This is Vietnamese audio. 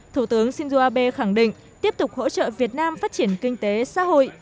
thủ tướng shinzo abe khẳng định tiếp tục hỗ trợ việt nam phát triển kinh tế xã hội